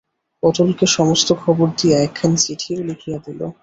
পটলকে সমস্ত খবর দিয়া একখানি চিঠিও লিখিয়া দিল।